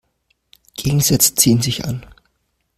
Gegensätze ziehen sich an.